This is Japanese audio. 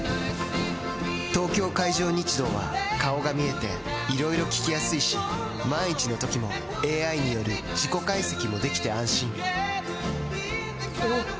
東京海上日動は顔が見えていろいろ聞きやすいし万一のときもＡＩによる事故解析もできて安心おぉ！